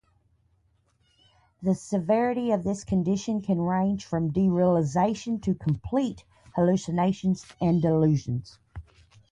The severity of this condition can range from derealization to complete hallucinations and delusions.